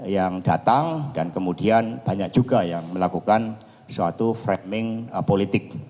yang datang dan kemudian banyak juga yang melakukan suatu framing politik